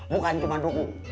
bukan cuma dukung